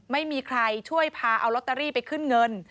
ไม่มีใครช่วยพาเอาลอตเตอรี่ไปขึ้นเงิน